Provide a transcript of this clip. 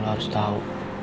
lo harus tau